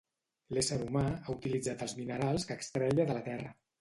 L'ésser humà ha utilitzat els minerals que extreia de la Terra